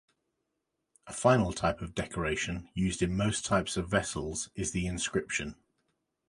A final type of decoration, used in most types of vessels, is the inscription.